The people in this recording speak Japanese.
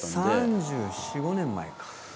３４３５年前か。